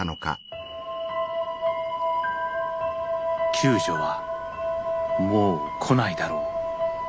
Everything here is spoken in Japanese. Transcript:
救助はもう来ないだろう。